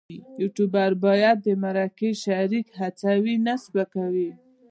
یوټوبر باید د مرکه شریک هڅوي نه سپکوي.